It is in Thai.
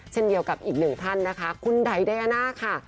เช่นเดียวกับอีกหนึ่งท่านนะคะคุณไดอาน่าค่ะ